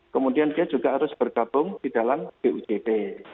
kemudian dia juga harus bergabung di dalam pujp